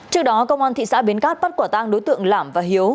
trước đó công an thị xã bến cát bắt quả tang đối tượng lảm và hiếu